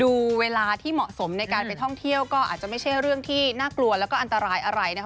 เวลาที่เหมาะสมในการไปท่องเที่ยวก็อาจจะไม่ใช่เรื่องที่น่ากลัวแล้วก็อันตรายอะไรนะคะ